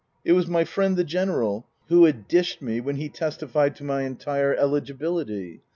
It was my friend the General who had dished me when he testified to my entire eligibility.